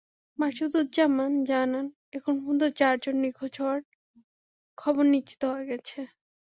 মাসুদুজ্জামান জানান, এখন পর্যন্ত চারজন নিখোঁজ হওয়ার খবর নিশ্চিত হওয়া গেছে।